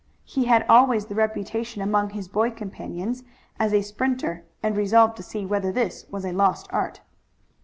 He had always the reputation among his boy companions as a sprinter, and resolved to see whether this was a lost art.